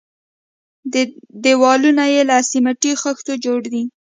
دېوالونه يې له سميټي خښتو جوړ دي.